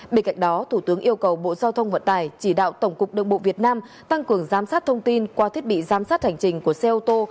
bên cạnh đó thủ tướng yêu cầu bộ giao thông vận tải chỉ đạo tổng cục đường bộ việt nam tăng cường giám sát thông tin qua thiết bị giám sát hành trình của xe ô tô